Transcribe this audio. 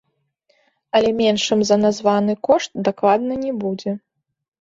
Але меншым за названы кошт дакладна не будзе.